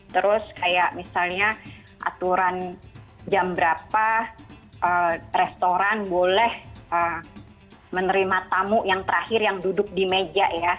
terus kayak misalnya aturan jam berapa restoran boleh menerima tamu yang terakhir yang duduk di meja ya